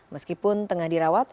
meskipun tengah dirawat